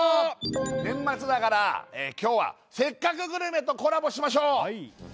年末だから今日は、「せっかくグルメ！！」とコラボしましょう！